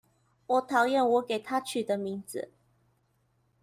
討厭我給她取的名字